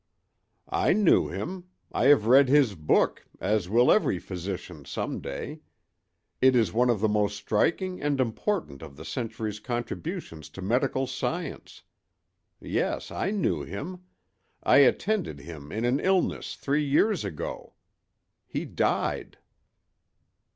"I knew him. I have read his book, as will every physician some day. It is one of the most striking and important of the century's contributions to medical science. Yes, I knew him; I attended him in an illness three years ago. He died."